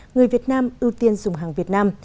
người việt nam ưu tiên dùng hàng việt nam